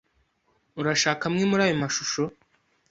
Urashaka amwe muri ayo mashusho?